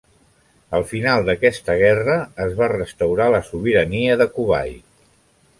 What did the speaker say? Al final d'aquesta guerra es va restaurar la sobirania de Kuwait.